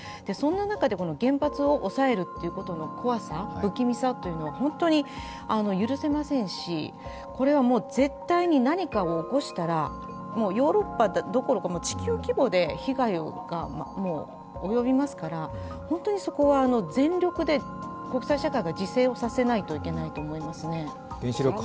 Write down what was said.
そんな中で原発を抑えるということの怖さ、不気味さというのは本当に許せませんし、これは絶対に何かを起こしたら、ヨーロッパどころか、地球規模で被害が及びますから本当にそこは全力で国際社会が自制をさせないといけないと思いますね。